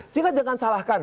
sehingga jangan salahkan